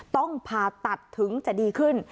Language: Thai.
ต้องผ่าตัดถึงจะดีขึ้น